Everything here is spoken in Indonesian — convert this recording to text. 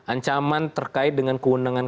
ancaman terkait dengan keundangan